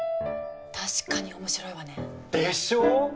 確かに面白いわね。でしょう？